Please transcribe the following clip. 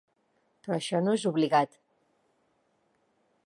Però això no és obligat.